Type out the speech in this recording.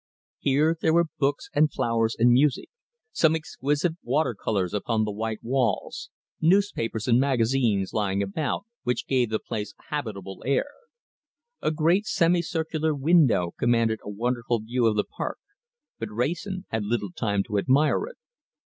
Here there were books and flowers and music, some exquisite water colours upon the white walls, newspapers and magazines lying about, which gave the place a habitable air. A great semicircular window commanded a wonderful view of the park, but Wrayson had little time to admire it.